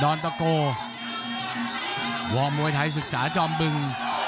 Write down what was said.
อนตะโกวอร์มวยไทยศึกษาจอมบึง